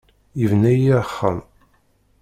Yebna-iyi axxam.